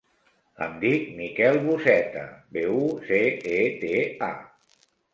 Em dic Miquel Buceta: be, u, ce, e, te, a.